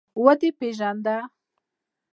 ودې پېژانده.